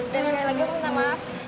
dan sekali lagi aku minta maaf